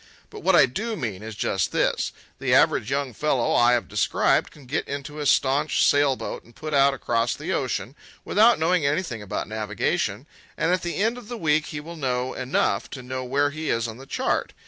But what I do mean is just this: the average young fellow I have described can get into a staunch sail boat and put out across the ocean, without knowing anything about navigation, and at the end of the week he will know enough to know where he is on the chart.